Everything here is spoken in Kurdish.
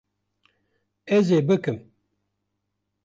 Ez ê bikim